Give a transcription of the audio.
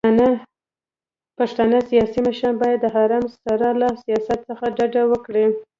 پښتانه سياسي مشران بايد د حرم سرای له سياست څخه ډډه وکړي.